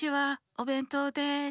おべんとうです。